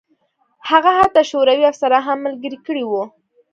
هغه حتی شوروي افسران هم ملګري کړي وو